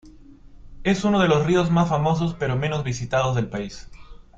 Es uno de los ríos más famosos pero menos visitados del país.